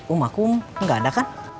um aku gak ada kan